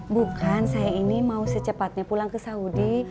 bukan saya ini mau secepatnya pulang ke saudi